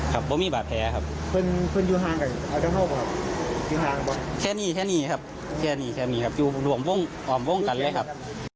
แค่นี้แค่นี้ครับแค่นี้ครับร่วมร่วมอ่อมแล้วครับ